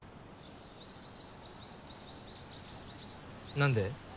何で？